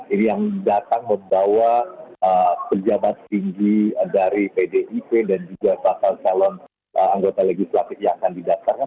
ini yang datang membawa pejabat tinggi dari pdip dan juga bakal calon anggota legislatif yang akan didaftarkan